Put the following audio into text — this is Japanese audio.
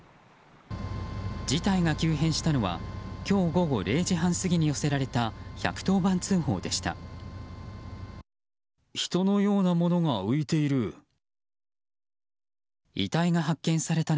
事態が急変したのは今日午後０時半過ぎに寄せられた１１０番通報でした。